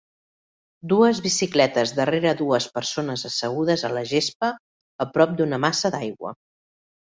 Dues bicicletes darrere dues persones assegudes a la gespa a prop d'una massa d'aigua.